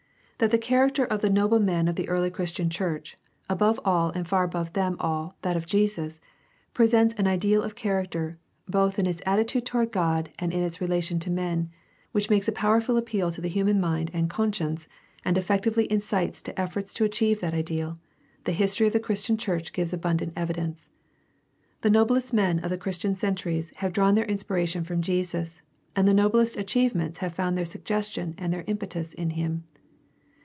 That the character of the noble men of the early Christian church, above all and far above them all that of Jesus, presents an ideal of character, both in its attitude toward God and in its relation to men, which makes a powerful appeal to the human mind and conscience and effectively incites to efforts to achieve that ideal, the history of the Christian church gives abundant evidence. The noblest men of the Christian centuries have drawn their inspiration from Jesus, and the noblest achieve ments have found their suggestion and their impetus in him.